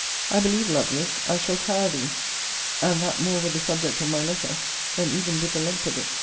I believe, Lovelace, I shall tire thee, and that more with the subject of my letter, than even with the length of it.